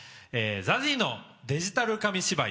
ＺＡＺＹのデジタル紙芝居。